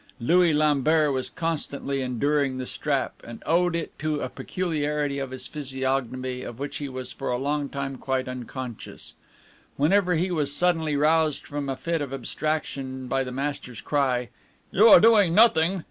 Louis Lambert was constantly enduring the strap, and owed it to a peculiarity of his physiognomy of which he was for a long time quite unconscious. Whenever he was suddenly roused from a fit of abstraction by the master's cry, "You are doing nothing!"